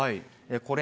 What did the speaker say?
これ、